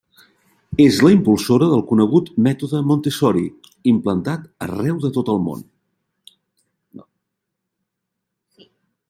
És la impulsora del conegut mètode Montessori, implantat arreu del món.